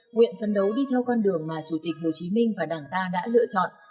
nguyện phấn đấu đi theo con đường mà chủ tịch hồ chí minh và đảng ta đã lựa chọn